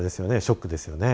ショックですよね？